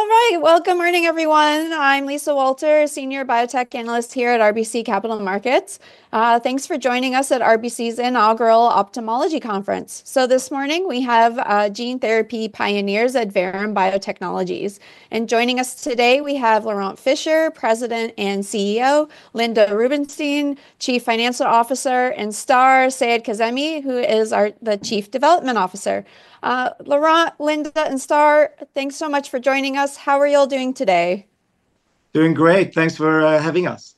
All right, welcome. Morning, everyone. I'm Lisa Walter, Senior Biotech Analyst here at RBC Capital Markets. Thanks for joining us at RBC's inaugural Ophthalmology Conference. This morning we have gene therapy pioneers at Adverum Biotechnologies. Joining us today we have Laurent Fischer, President and CEO; Linda Rubinstein, Chief Financial Officer; and Star Seyedkazemi, who is the Chief Development Officer. Laurent, Linda, and Star, thanks so much for joining us. How are you all doing today? Doing great. Thanks for having us.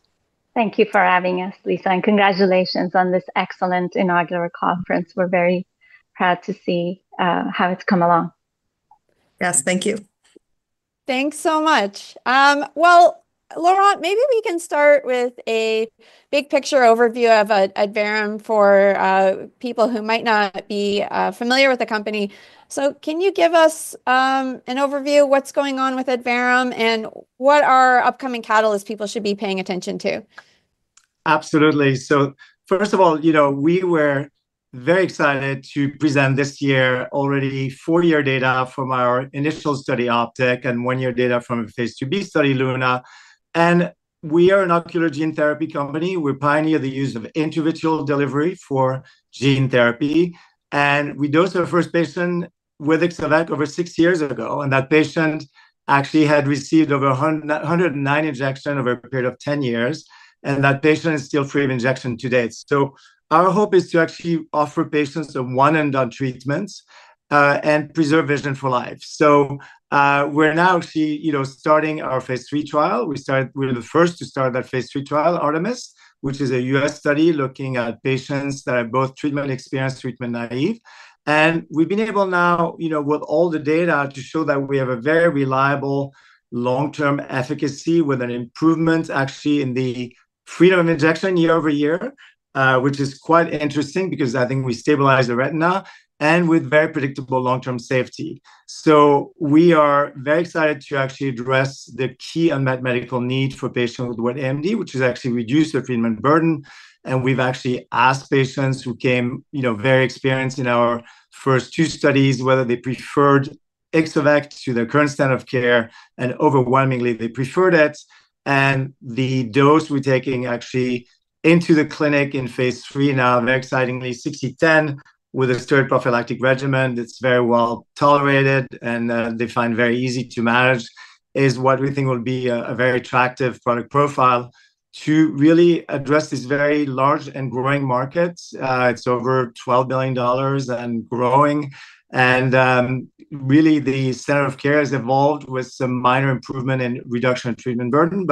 Thank you for having us, Lisa. Congratulations on this excellent inaugural conference. We're very proud to see how it's come along. Yes, thank you. Thanks so much. Laurent, maybe we can start with a big picture overview of Adverum for people who might not be familiar with the company. Can you give us an overview of what's going on with Adverum and what are upcoming catalysts people should be paying attention to? Absolutely. First of all, you know we were very excited to present this year already four-year data from our initial study, OPTIC, and one-year data from a phase II-B study, LUNA. We are an ocular gene therapy company. We're a pioneer in the use of intravitreal delivery for gene therapy. We dosed our first patient with Ixo-vec over six years ago. That patient actually had received over 109 injections over a period of 10 years. That patient is still free of injection to date. Our hope is to actually offer patients a one-and-done treatment and preserve vision for life. We are now actually starting our phase III trial. We were the first to start that phase III trial, ARTEMIS, which is a US study looking at patients that are both treatment experienced and treatment naive. We have been able now, with all the data, to show that we have a very reliable long-term efficacy with an improvement actually in the freedom of injection year over year, which is quite interesting because I think we stabilize the retina and with very predictable long-term safety. We are very excited to actually address the key unmet medical need for patients with wet AMD, which is actually reduce their treatment burden. We have actually asked patients who became very experienced in our first two studies whether they preferred Ixo-vec to their current standard of care. Overwhelmingly, they preferred it. The dose we're taking actually into the clinic in phase III now, very excitingly, 6E10 with a steroid prophylactic regimen that's very well tolerated and they find very easy to manage, is what we think will be a very attractive product profile to really address this very large and growing market. It's over $12 billion and growing. Really, the standard of care has evolved with some minor improvement in reduction of treatment burden.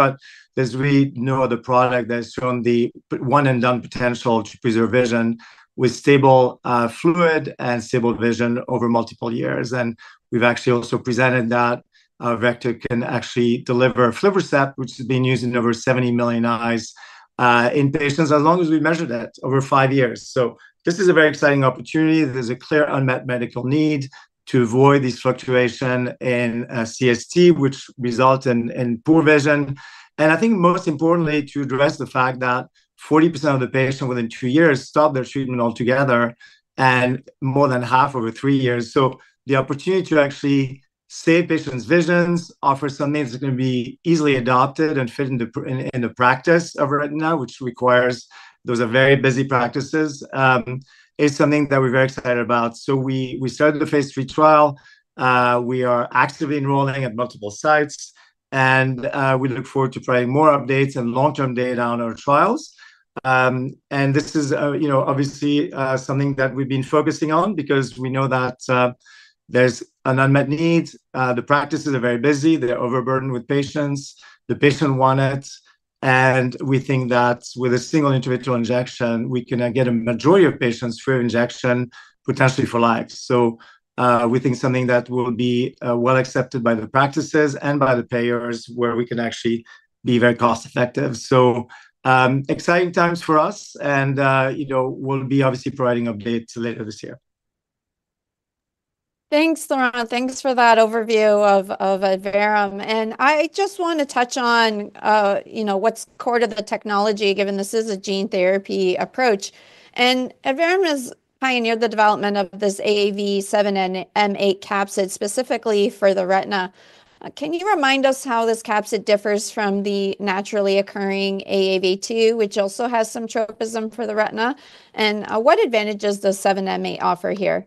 There's really no other product that has shown the one-and-done potential to preserve vision with stable fluid and stable vision over multiple years. We've actually also presented that Ixo-vec can actually deliver aflibercept, which has been used in over 70 million eyes in patients as long as we measured it, over five years. This is a very exciting opportunity. There's a clear unmet medical need to avoid this fluctuation in CST, which results in poor vision. I think most importantly, to address the fact that 40% of the patients within two years stop their treatment altogether and more than half over three years. The opportunity to actually save patients' visions, offer something that's going to be easily adopted and fit into the practice of retina, which requires those are very busy practices, is something that we're very excited about. We started the phase III trial. We are actively enrolling at multiple sites. We look forward to providing more updates and long-term data on our trials. This is obviously something that we've been focusing on because we know that there's an unmet need. The practices are very busy. They're overburdened with patients. The patient want it. We think that with a single intravitreal injection, we can get a majority of patients free of injection, potentially for life. We think something that will be well accepted by the practices and by the payers where we can actually be very cost-effective. Exciting times for us. We will be obviously providing updates later this year. Thanks, Laurent. Thanks for that overview of Adverum. I just want to touch on what's core to the technology, given this is a gene therapy approach. Adverum has pioneered the development of this AAV.7m8 capsid specifically for the retina. Can you remind us how this capsid differs from the naturally occurring AAV2, which also has some tropism for the retina? What advantages does 7m8 offer here?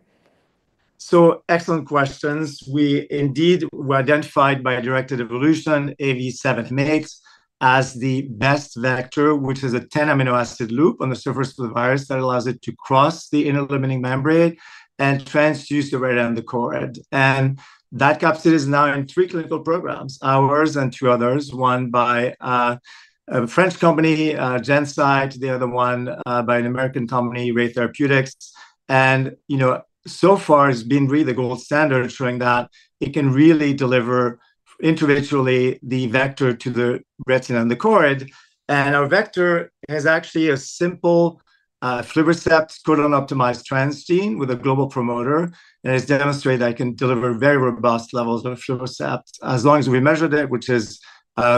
Excellent questions. We indeed were identified by directed evolution AAV.7m8 as the best vector, which is a 10-amino acid loop on the surface of the virus that allows it to cross the inner limiting membrane and transduce the retina and the choroid. That capsid is now in three clinical programs, ours and two others. One by a French company, GenSight. The other one by an American company, Ray Therapeutics. So far, it's been really the gold standard showing that it can really deliver intravitreally the vector to the retina and the choroid. Our vector has actually a simple aflibercept codon optimized transgene with a global promoter. It's demonstrated that it can deliver very robust levels of aflibercept as long as we measured it, which is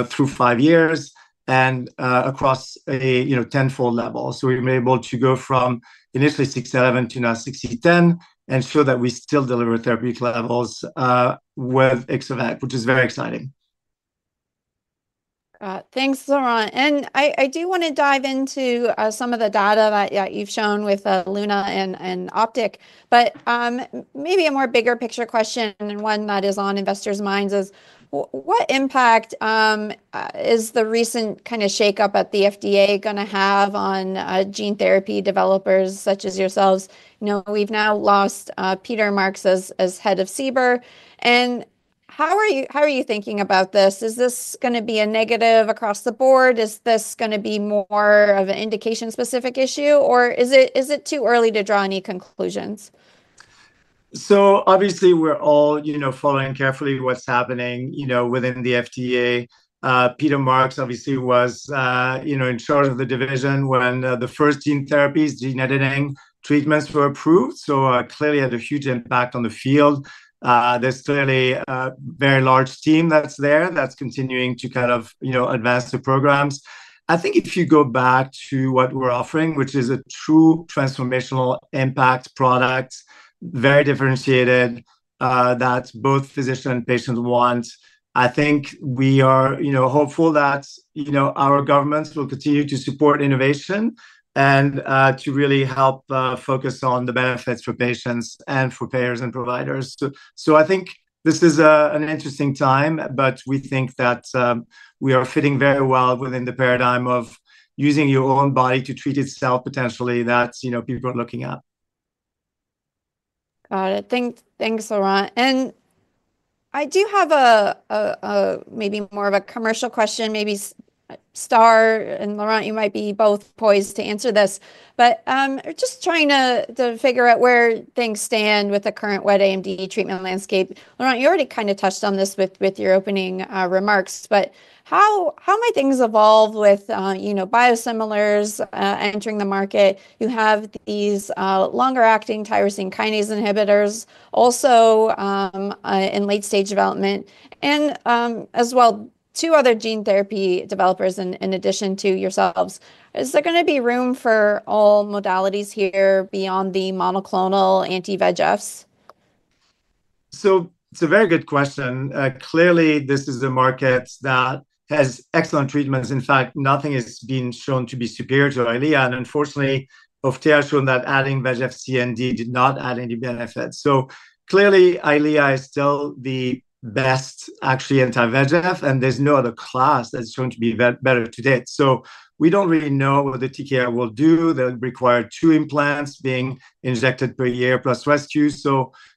through five years and across a 10-fold level. We have been able to go from initially 6E11 to now 6E10 and show that we still deliver therapeutic levels with Ixo-vec, which is very exciting. Thanks, Laurent. I do want to dive into some of the data that you've shown with LUNA and OPTIC. Maybe a more bigger picture question and one that is on investors' minds is, what impact is the recent kind of shakeup at the FDA going to have on gene therapy developers such as yourselves? We've now lost Peter Marks as head of CBER. How are you thinking about this? Is this going to be a negative across the board? Is this going to be more of an indication-specific issue? Is it too early to draw any conclusions? Obviously, we're all following carefully what's happening within the FDA. Peter Marks obviously was in charge of the division when the first gene therapies, gene editing treatments were approved. Clearly, it had a huge impact on the field. There's clearly a very large team that's there that's continuing to kind of advance the programs. I think if you go back to what we're offering, which is a true transformational impact product, very differentiated, that both physicians and patients want, I think we are hopeful that our governments will continue to support innovation and to really help focus on the benefits for patients and for payers and providers. I think this is an interesting time. We think that we are fitting very well within the paradigm of using your own body to treat itself potentially that people are looking at. Got it. Thanks, Laurent. I do have maybe more of a commercial question, maybe Star, and Laurent, you might be both poised to answer this. Just trying to figure out where things stand with the current wet AMD treatment landscape. Laurent, you already kind of touched on this with your opening remarks. How might things evolve with biosimilars entering the market? You have these longer-acting tyrosine kinase inhibitors also in late-stage development. As well, two other gene therapy developers in addition to yourselves. Is there going to be room for all modalities here beyond the monoclonal anti-VEGFs? It's a very good question. Clearly, this is a market that has excellent treatments. In fact, nothing has been shown to be superior to Eylea. Unfortunately, OPTIC has shown that adding VEGF-C and D did not add any benefits. Clearly, Eylea is still the best actually anti-VEGF. There's no other class that's shown to be better to date. We don't really know what the TKI will do. They'll require two implants being injected per year plus rescue.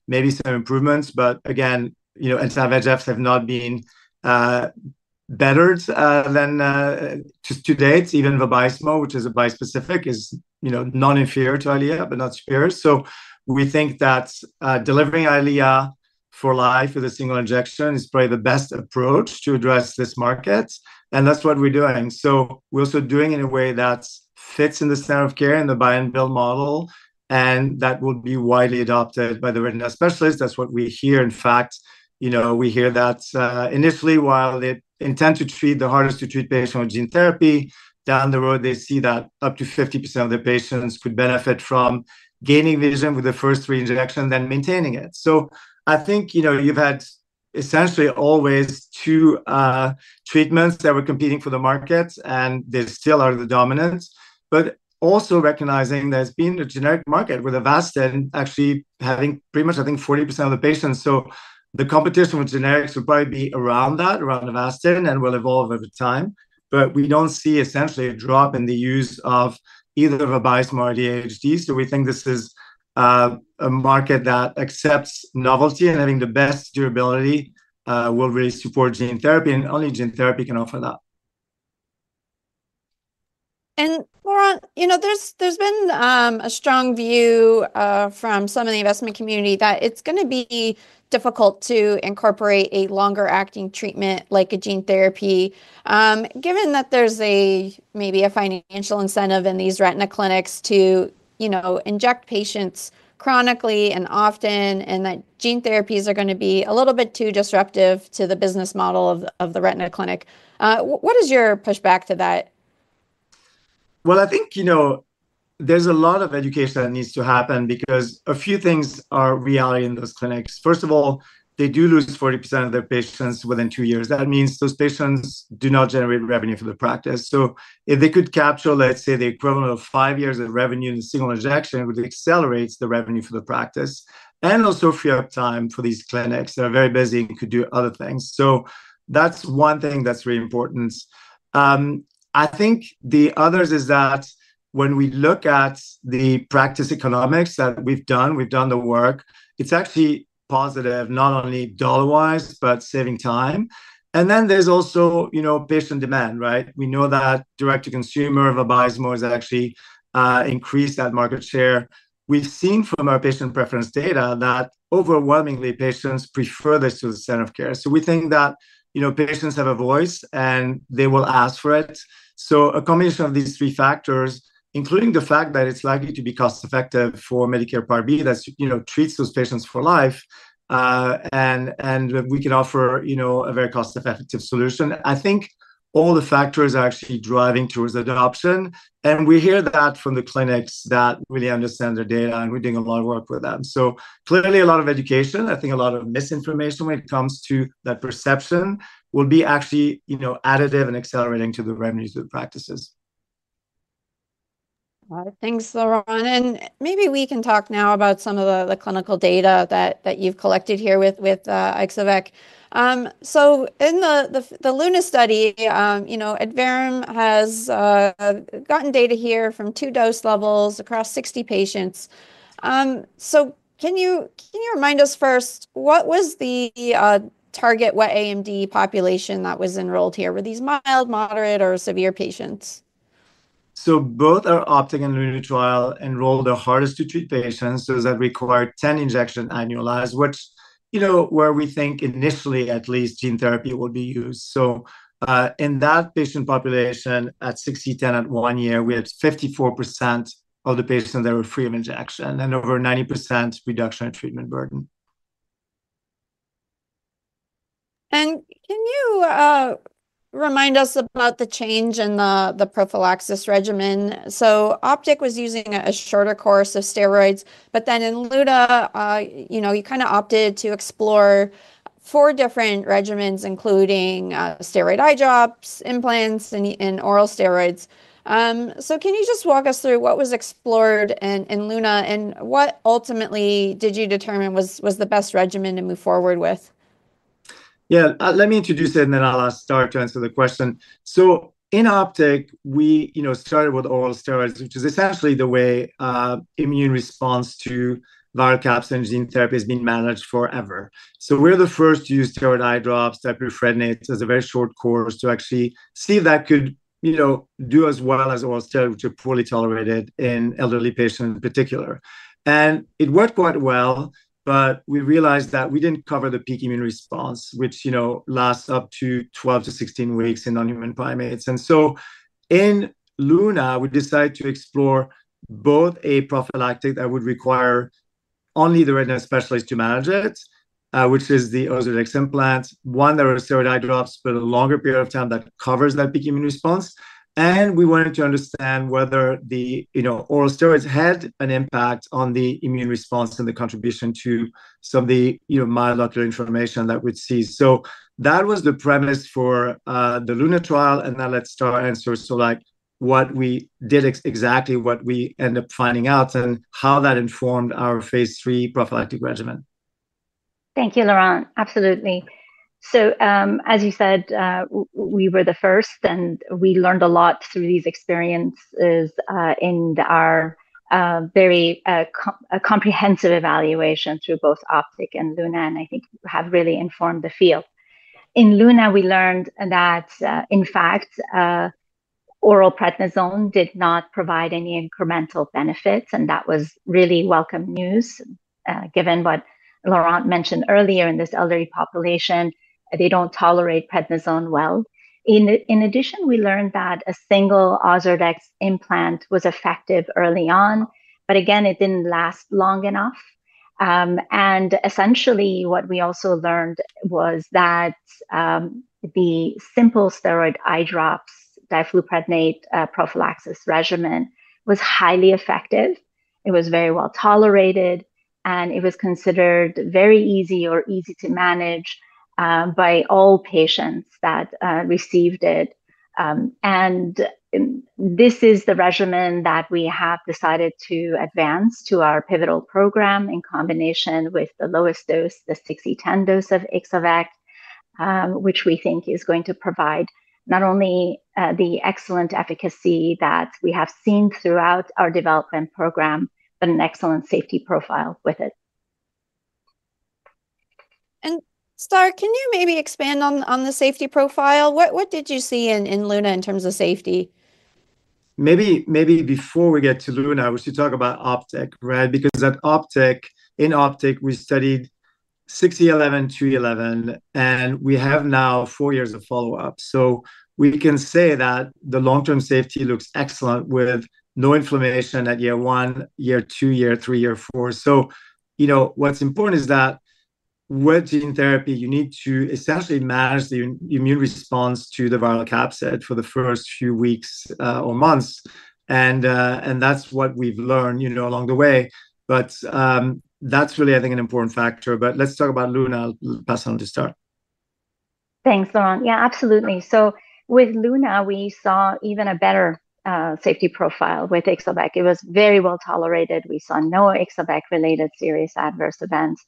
Maybe some improvements. Again, anti-VEGFs have not been bettered to date. Even Vabysmo, which is a bispecific, is non-inferior to Eylea, but not superior. We think that delivering Eylea for life with a single injection is probably the best approach to address this market. That's what we're doing. We're also doing it in a way that fits in the standard of care and the buy-and-bill model. That will be widely adopted by the retina specialists. That's what we hear. In fact, we hear that initially, while they intend to treat the hardest to treat patients with gene therapy, down the road, they see that up to 50% of the patients could benefit from gaining vision with the first three injections and then maintaining it. I think you've had essentially always two treatments that were competing for the market. They still are the dominant. Also recognizing there's been a generic market with Avastin actually having pretty much, I think, 40% of the patients. The competition with generics will probably be around that, around Avastin, and will evolve over time. We do not see essentially a drop in the use of either a biosimilar or Eylea HD. We think this is a market that accepts novelty. Having the best durability will really support gene therapy. Only gene therapy can offer that. Laurent, there's been a strong view from some of the investment community that it's going to be difficult to incorporate a longer-acting treatment like a gene therapy, given that there's maybe a financial incentive in these retina clinics to inject patients chronically and often, and that gene therapies are going to be a little bit too disruptive to the business model of the retina clinic. What is your pushback to that? I think there's a lot of education that needs to happen because a few things are reality in those clinics. First of all, they do lose 40% of their patients within two years. That means those patients do not generate revenue for the practice. If they could capture, let's say, the equivalent of five years of revenue in a single injection, it would accelerate the revenue for the practice and also free up time for these clinics that are very busy and could do other things. That's one thing that's really important. I think the others is that when we look at the practice economics that we've done, we've done the work, it's actually positive, not only dollar-wise, but saving time. There's also patient demand, right? We know that direct-to-consumer of Vabysmo has actually increased that market share. We've seen from our patient preference data that overwhelmingly, patients prefer this to the standard of care. We think that patients have a voice, and they will ask for it. A combination of these three factors, including the fact that it's likely to be cost-effective for Medicare Part B that treats those patients for life, and we can offer a very cost-effective solution. I think all the factors are actually driving towards adoption. We hear that from the clinics that really understand their data. We're doing a lot of work with them. Clearly, a lot of education. I think a lot of misinformation when it comes to that perception will be actually additive and accelerating to the revenues of the practices. Thanks, Laurent. Maybe we can talk now about some of the clinical data that you've collected here with Ixo-vec. In the LUNA study, Adverum has gotten data here from two dose levels across 60 patients. Can you remind us first, what was the target wet AMD population that was enrolled here? Were these mild, moderate, or severe patients? Both our OPTIC and LUNA trial enrolled the hardest to treat patients that required 10 injections annualized, which is where we think initially, at least, gene therapy will be used. In that patient population at 6E10, and 1 year, we had 54% of the patients that were free of injection and over 90% reduction in treatment burden. Can you remind us about the change in the prophylaxis regimen? Optic was using a shorter course of steroids. In Luna, you kind of opted to explore four different regimens, including steroid eye drops, implants, and oral steroids. Can you just walk us through what was explored in Luna? What ultimately did you determine was the best regimen to move forward with? Yeah. Let me introduce it, and then I'll Star to answer the question. In OPTIC, we started with oral steroids, which is essentially the way immune response to viral caps and gene therapy has been managed forever. We're the first to use steroid eye drops, difluprednate, as a very short course to actually see if that could do as well as oral steroids, which are poorly tolerated in elderly patients in particular. It worked quite well. We realized that we didn't cover the peak immune response, which lasts up to 12-16 weeks in non-human primates. In LUNA, we decided to explore both a prophylactic that would require only the retina specialist to manage it, which is the Ozurdex implant, and one that was steroid eye drops for the longer period of time that covers that peak immune response. We wanted to understand whether the oral steroids had an impact on the immune response and the contribution to some of the mild ocular inflammation that we'd see. That was the premise for the LUNA trial. Now let's Star answering what we did exactly, what we ended up finding out, and how that informed our phase III prophylactic regimen. Thank you, Laurent. Absolutely. As you said, we were the first. We learned a lot through these experiences in our very comprehensive evaluation through both OPTIC and LUNA. I think have really informed the field. In LUNA, we learned that, in fact, oral prednisone did not provide any incremental benefits. That was really welcome news, given what Laurent mentioned earlier in this elderly population. They do not tolerate prednisone well. In addition, we learned that a single Ozurdex implant was effective early on. It did not last long enough. Essentially, what we also learned was that the simple steroid eye drops, difluprednate prophylaxis regimen, was highly effective. It was very well tolerated. It was considered very easy or easy to manage by all patients that received it. This is the regimen that we have decided to advance to our pivotal program in combination with the lowest dose, the 6E10 dose of Ixo-vec, which we think is going to provide not only the excellent efficacy that we have seen throughout our development program, but an excellent safety profile with it. Star, can you maybe expand on the safety profile? What did you see in LUNA in terms of safety? Maybe before we get to LUNA, we should talk about OPTIC, right? Because in OPTIC, we studied 6E11, 2E11. And we have now four years of follow-up. We can say that the long-term safety looks excellent with no inflammation at year one, year two, year three, year four. What's important is that with gene therapy, you need to essentially manage the immune response to the viral capsid for the first few weeks or months. That's what we've learned along the way. That's really, I think, an important factor. Let's talk about LUNA. I'll pass on to Star. Thanks, Laurent. Yeah, absolutely. With LUNA, we saw even a better safety profile with Ixo-vec. It was very well tolerated. We saw no Ixo-vec-related serious adverse events.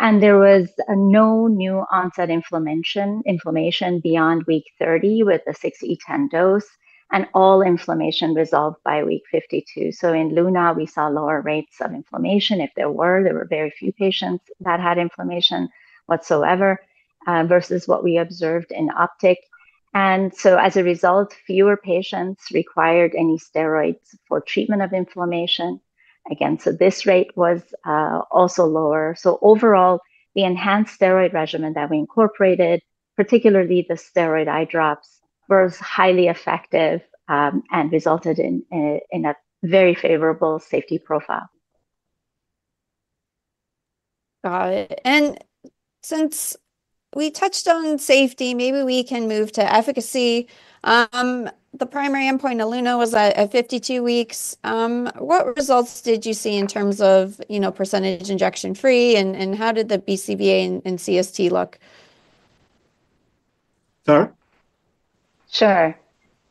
There was no new onset inflammation beyond week 30 with the 6E10 dose. All inflammation resolved by week 52. In LUNA, we saw lower rates of inflammation. If there were, there were very few patients that had inflammation whatsoever versus what we observed in OPTIC. As a result, fewer patients required any steroids for treatment of inflammation. Again, this rate was also lower. Overall, the enhanced steroid regimen that we incorporated, particularly the steroid eye drops, was highly effective and resulted in a very favorable safety profile. Got it. Since we touched on safety, maybe we can move to efficacy. The primary endpoint in LUNA was at 52 weeks. What results did you see in terms of percentage injection-free? How did the BCVA and CST look? Sorry? Sure.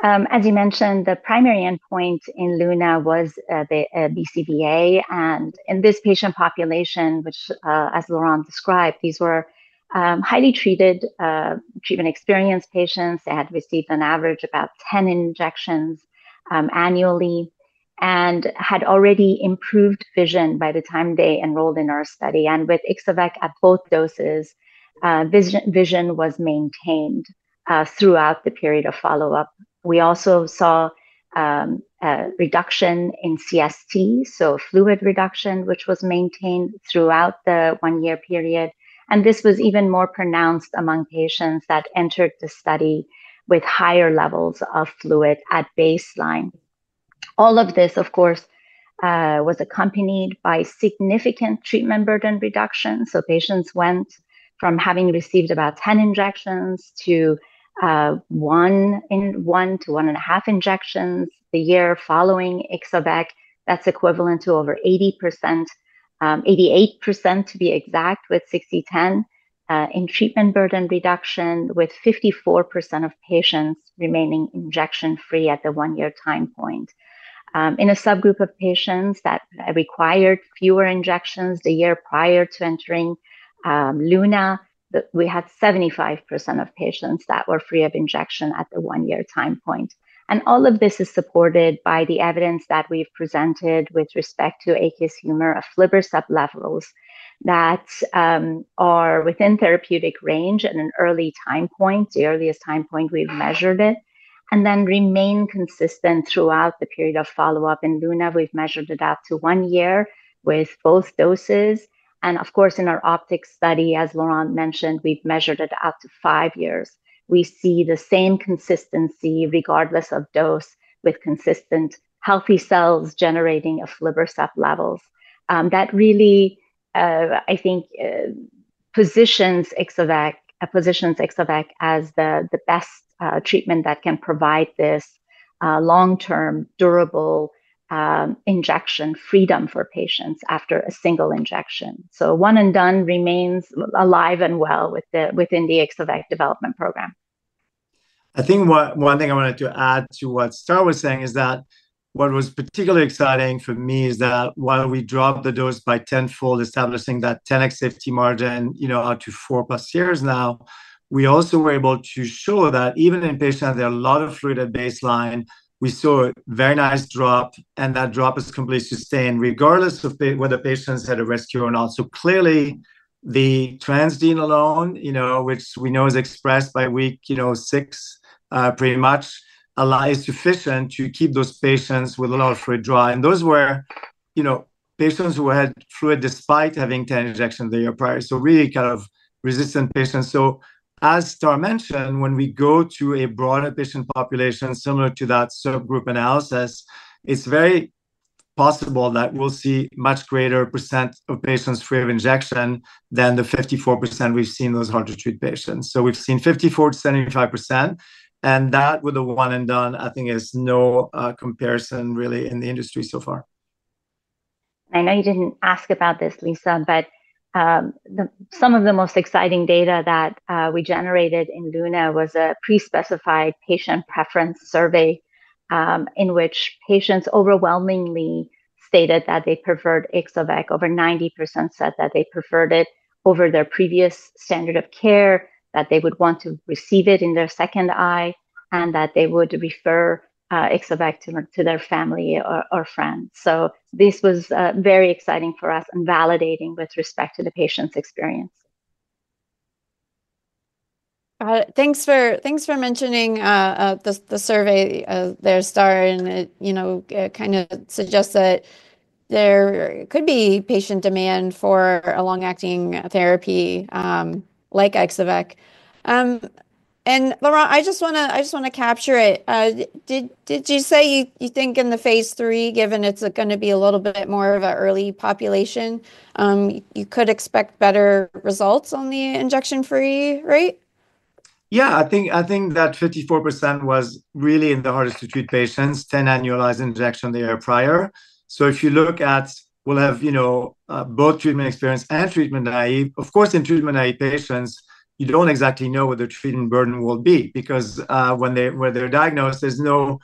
As you mentioned, the primary endpoint in LUNA was BCVA. In this patient population, which, as Laurent described, these were highly treated, treatment-experienced patients. They had received on average about 10 injections annually and had already improved vision by the time they enrolled in our study. With Ixo-vec at both doses, vision was maintained throughout the period of follow-up. We also saw reduction in CST, so fluid reduction, which was maintained throughout the one-year period. This was even more pronounced among patients that entered the study with higher levels of fluid at baseline. All of this, of course, was accompanied by significant treatment burden reduction. Patients went from having received about 10 injections to one to one and a half injections the year following Ixo-vec. That's equivalent to over 80%, 88% to be exact, with 6E10 in treatment burden reduction, with 54% of patients remaining injection-free at the one-year time point. In a subgroup of patients that required fewer injections the year prior to entering LUNA, we had 75% of patients that were free of injection at the one-year time point. All of this is supported by the evidence that we've presented with respect to aqueous humor aflibercept levels, that are within therapeutic range at an early time point, the earliest time point we've measured it, and then remain consistent throughout the period of follow-up. In LUNA, we've measured it out to one year with both doses. Of course, in our OPTIC study, as Laurent mentioned, we've measured it out to five years. We see the same consistency regardless of dose with consistent healthy cells generating aflibercept levels. That really, I think, positions Ixo-vec as the best treatment that can provide this long-term, durable injection freedom for patients after a single injection. One and done remains alive and well within the Ixo-vec development program. I think one thing I wanted to add to what Star was saying is that what was particularly exciting for me is that while we dropped the dose by tenfold, establishing that 10x safety margin out to four plus years now, we also were able to show that even in patients that have a lot of fluid at baseline, we saw a very nice drop. That drop is completely sustained regardless of whether patients had a rescue or not. Clearly, the transgene alone, which we know is expressed by week six, pretty much is sufficient to keep those patients with a lot of fluid dry. Those were patients who had fluid despite having 10 injections the year prior, so really kind of resistant patients. As Star mentioned, when we go to a broader patient population similar to that subgroup analysis, it's very possible that we'll see a much greater % of patients free of injection than the 54% we've seen in those hard-to-treat patients. We've seen 54%-75%. That with the one and done, I think, is no comparison really in the industry so far. I know you didn't ask about this, Lisa, but some of the most exciting data that we generated in LUNA was a pre-specified patient preference survey in which patients overwhelmingly stated that they preferred Ixo-vec. Over 90% said that they preferred it over their previous standard of care, that they would want to receive it in their second eye, and that they would refer Ixo-vec to their family or friends. This was very exciting for us and validating with respect to the patient's experience. Thanks for mentioning the survey there, Star. It kind of suggests that there could be patient demand for a long-acting therapy like Ixo-vec. Laurent, I just want to capture it. Did you say you think in the phase III, given it's going to be a little bit more of an early population, you could expect better results on the injection-free rate? Yeah. I think that 54% was really in the hardest-to-treat patients, 10 annualized injections the year prior. If you look at, we'll have both treatment-experienced and treatment-naive. Of course, in treatment-naive patients, you don't exactly know what their treatment burden will be. Because when they're diagnosed, there's no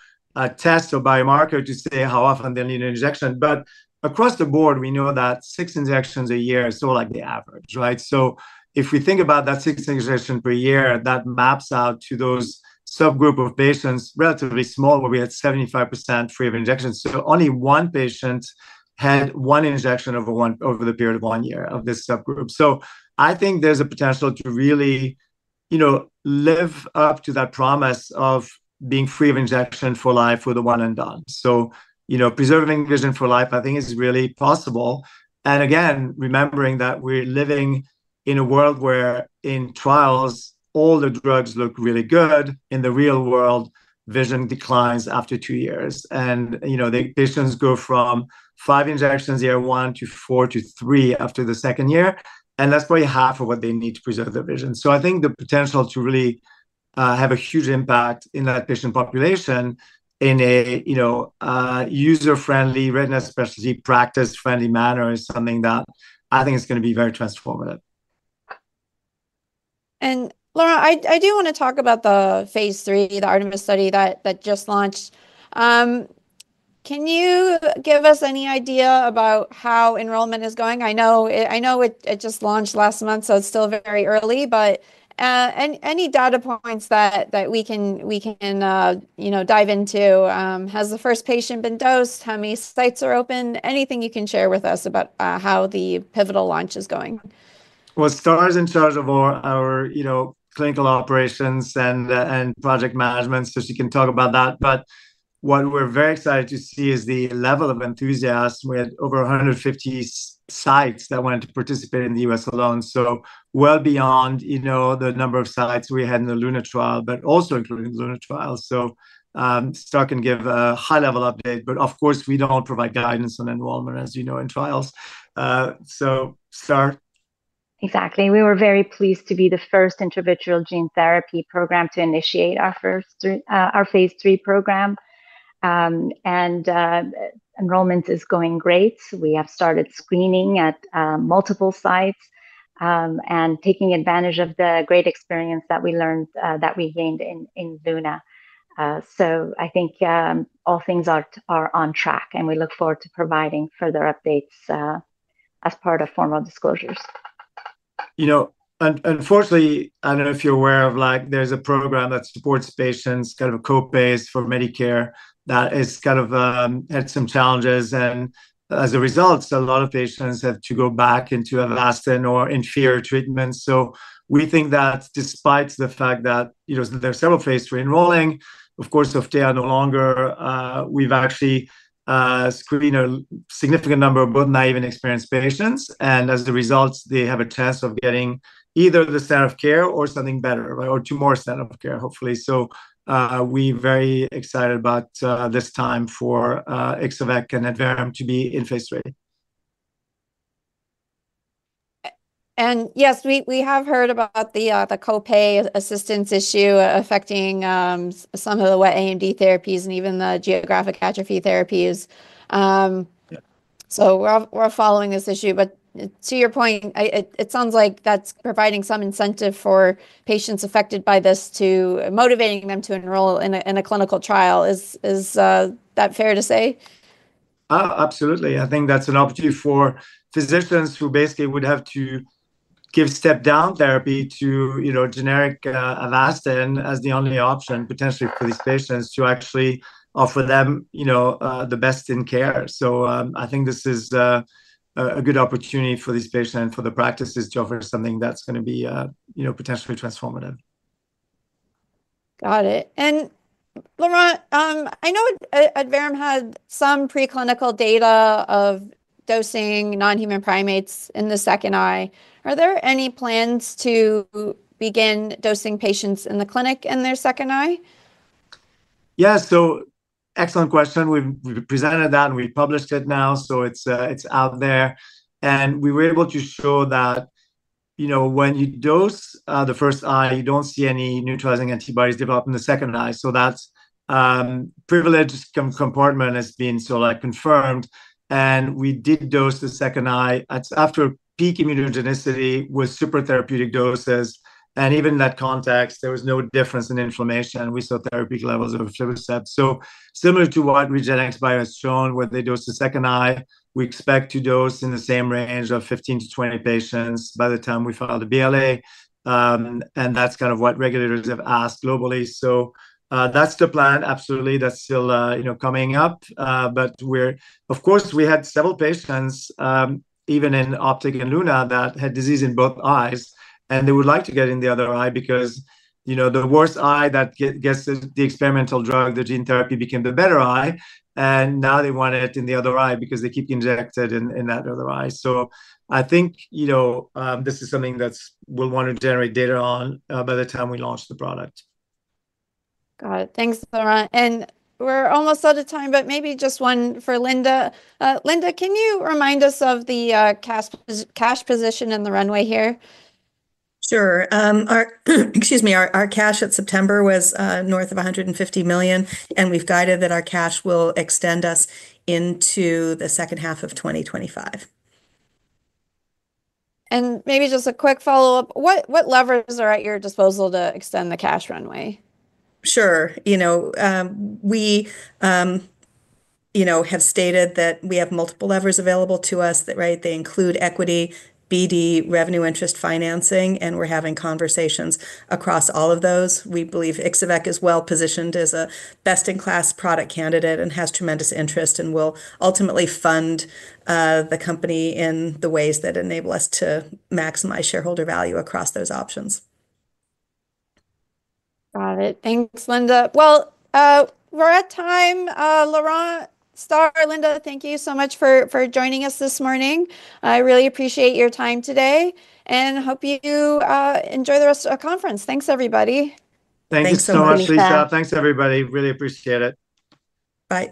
test or biomarker to say how often they'll need an injection. Across the board, we know that six injections a year is sort of like the average, right? If we think about that six injections per year, that maps out to those subgroup of patients, relatively small, where we had 75% free of injections. Only one patient had one injection over the period of one year of this subgroup. I think there's a potential to really live up to that promise of being free of injection for life with a one and done. Preserving vision for life, I think, is really possible. Again, remembering that we're living in a world where in trials, all the drugs look really good. In the real world, vision declines after two years. Patients go from five injections year one to four to three after the second year. That's probably half of what they need to preserve their vision. I think the potential to really have a huge impact in that patient population in a user-friendly, retina specialty practice-friendly manner is something that I think is going to be very transformative. Laurent, I do want to talk about the phase III, the ARTEMIS study that just launched. Can you give us any idea about how enrollment is going? I know it just launched last month, so it's still very early. Any data points that we can dive into? Has the first patient been dosed? How many sites are open? Anything you can share with us about how the pivotal launch is going? Star is in charge of our clinical operations and project management, so she can talk about that. What we're very excited to see is the level of enthusiasm. We had over 150 sites that wanted to participate in the US alone, so well beyond the number of sites we had in the LUNA trial, but also including the LUNA trial. Star can give a high-level update. Of course, we don't provide guidance on enrollment, as you know, in trials. Star. Exactly. We were very pleased to be the first intravitreal gene therapy program to initiate our phase III program. Enrollment is going great. We have started screening at multiple sites and taking advantage of the great experience that we gained in LUNA. I think all things are on track. We look forward to providing further updates as part of formal disclosures. Unfortunately, I don't know if you're aware of there's a program that supports patients kind of co-pay for Medicare that has kind of had some challenges. As a result, a lot of patients have to go back into Avastin or inferior treatments. We think that despite the fact that there are several phases for enrolling, of course, Good Days are no longer, we've actually screened a significant number of both naive and experienced patients. As a result, they have a chance of getting either the standard of care or something better or two more standards of care, hopefully. We're very excited about this time for Ixo-vec and Adverum to be in phase III. Yes, we have heard about the co-pay assistance issue affecting some of the AMD therapies and even the geographic atrophy therapies. We are following this issue. To your point, it sounds like that is providing some incentive for patients affected by this to motivating them to enroll in a clinical trial. Is that fair to say? Absolutely. I think that's an opportunity for physicians who basically would have to give step-down therapy to generic Avastin as the only option potentially for these patients to actually offer them the best in care. I think this is a good opportunity for this patient and for the practices to offer something that's going to be potentially transformative. Got it. Laurent, I know Adverum had some preclinical data of dosing non-human primates in the second eye. Are there any plans to begin dosing patients in the clinic in their second eye? Yeah. Excellent question. We presented that. We published it now. It is out there. We were able to show that when you dose the first eye, you do not see any neutralizing antibodies develop in the second eye. That privileged compartment has been sort of confirmed. We did dose the second eye after peak immunogenicity with super therapeutic doses. Even in that context, there was no difference in inflammation. We saw therapeutic levels of aflibercept. Similar to what Regenxbio has shown with the dose of second eye, we expect to dose in the same range of 15-20 patients by the time we file the BLA. That is kind of what regulators have asked globally. That is the plan, absolutely. That is still coming up. Of course, we had several patients, even in OPTIC and LUNA, that had disease in both eyes. They would like to get it in the other eye because the worst eye that gets the experimental drug, the gene therapy, became the better eye. Now they want it in the other eye because they keep injecting in that other eye. I think this is something that we'll want to generate data on by the time we launch the product. Got it. Thanks, Laurent. We're almost out of time. Maybe just one for Linda. Linda, can you remind us of the cash position in the runway here? Sure. Excuse me. Our cash at September was north of $150 million. We have guided that our cash will extend us into the second half of 2025. Maybe just a quick follow-up. What levers are at your disposal to extend the cash runway? Sure. We have stated that we have multiple levers available to us. They include equity, BD, revenue interest financing. We are having conversations across all of those. We believe Ixo-vec is well positioned as a best-in-class product candidate and has tremendous interest and will ultimately fund the company in the ways that enable us to maximize shareholder value across those options. Got it. Thanks, Linda. We are at time. Laurent, Star, Linda, thank you so much for joining us this morning. I really appreciate your time today. Hope you enjoy the rest of our conference. Thanks, everybody. Thanks so much, Lisa. Thanks, everybody. Really appreciate it. Bye.